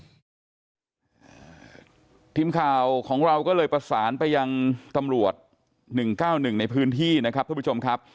ทีมข่าวของเราก็เลยประสานไปยังตำรวจ๑๙๑ในพื้นที่นะครับทุกผู้ชมครับ